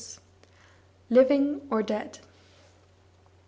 LIVING OR DEAD?